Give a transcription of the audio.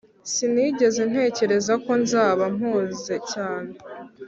sinigeze ntekereza ko nzaba mpuze cyane